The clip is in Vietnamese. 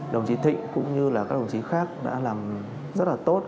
đồng chí thịnh cũng như các đồng chí khác đã làm rất tốt